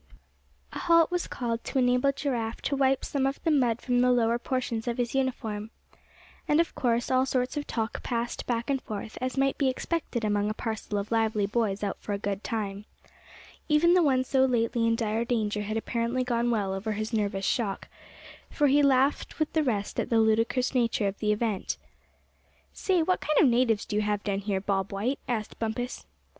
A halt was called, to enable Giraffe to wipe some of the mud from the lower portions of his uniform. And of course all sorts of talk passed back and forth, as might be expected among a parcel of lively boys out for a good time. Even the one so lately in dire danger had apparently gotten well over his nervous shock, for he laughed with the rest at the ludicrous nature of the event. "Say, what kind of natives do you have down here, Bob White?" asked Bumpus.